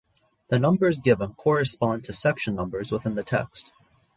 The numbers given correspond to section numbers within the text.